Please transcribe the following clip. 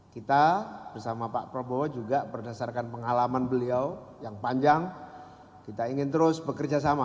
kita bersama pak prabowo juga berdasarkan pengalaman beliau yang panjang kita ingin terus bekerja sama